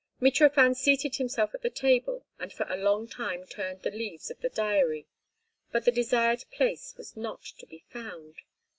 Mitrofan seated himself at the table and for a long time turned the leaves of the diary, but the desired place was not to be found.